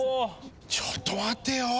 ちょっと待ってよ。